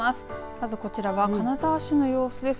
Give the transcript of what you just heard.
まずこちらは金沢市の様子です。